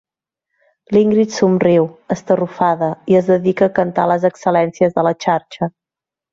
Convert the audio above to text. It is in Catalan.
L'Ingrid somriu, estarrufada, i es dedica a cantar les excel·lències de la xarxa.